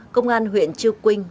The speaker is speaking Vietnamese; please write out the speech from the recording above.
công an huyện trư quynh